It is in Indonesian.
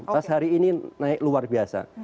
pas hari ini naik luar biasa